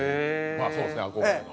まあそうですよね憧れの。